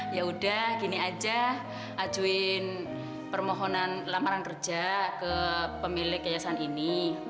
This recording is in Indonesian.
ya udah gini aja ajuin permohonan lamaran kerja ke pemilik yayasan ini